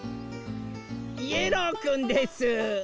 イエローくんです！